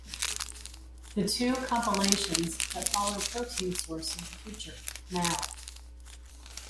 The two compilations that follow Protein Source of the Future...Now!